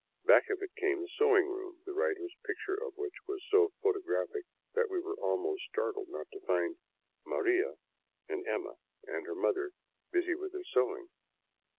Back of it came the sewing room, the writer's picture of which was so photographic that we were almost startled not to find " Maria " and '' Emma " and her mother busy with their sewing.